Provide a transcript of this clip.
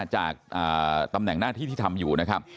จากตำแหน่งหน้าที่ที่ทำอยู่นะครับ